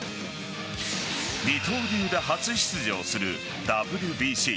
二刀流で初出場するＷＢＣ。